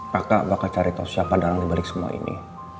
kakak bakal cari tahu siapa dalang dibalik semua ini